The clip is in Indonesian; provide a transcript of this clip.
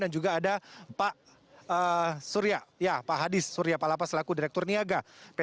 dan juga ada pak suria palapa selaku direktur niaga ptkm